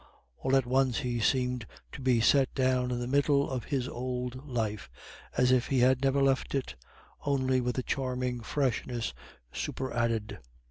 All at once he seemed to be set down in the middle of his old life as if he had never left it, only with a charming freshness superadded.